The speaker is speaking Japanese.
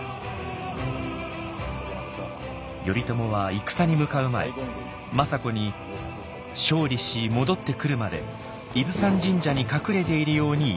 頼朝は戦に向かう前政子に勝利し戻ってくるまで伊豆山神社に隠れているように言います。